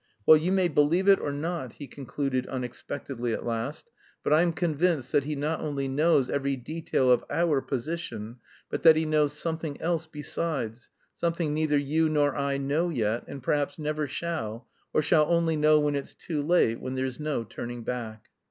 "Well, you may believe it or not," he concluded unexpectedly at last, "but I'm convinced that he not only knows every detail of 'our' position, but that he knows something else besides, something neither you nor I know yet, and perhaps never shall, or shall only know when it's too late, when there's no turning back!..."